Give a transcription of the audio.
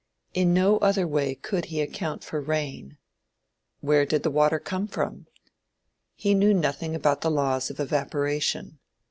In no other way could he account for rain. Where did the water come from? He knew nothing about the laws of evaporation.